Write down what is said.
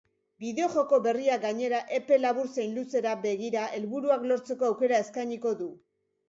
Bideojoko berriak gainera epe labur zein luzera begira helburuak lortzeko aukera eskainiko du.